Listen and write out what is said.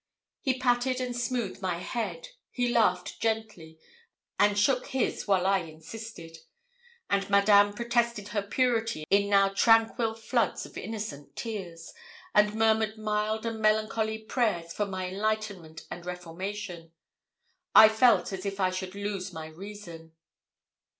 He patted and smoothed my head he laughed gently, and shook his while I insisted; and Madame protested her purity in now tranquil floods of innocent tears, and murmured mild and melancholy prayers for my enlightenment and reformation. I felt as if I should lose my reason.